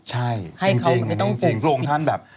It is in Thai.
ใช่จริงพระองค์ท่านแบบ